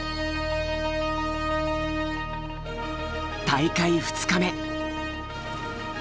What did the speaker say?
大会２日目。